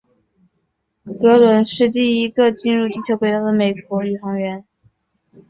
格伦是第一个进入地球轨道的美国宇航员。